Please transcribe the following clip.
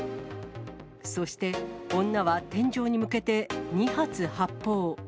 そして、女は天井に向けて２発発砲。